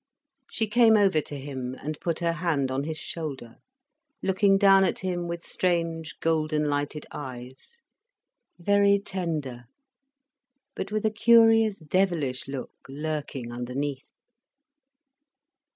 She came over to him and put her hand on his shoulder, looking down at him with strange golden lighted eyes, very tender, but with a curious devilish look lurking underneath.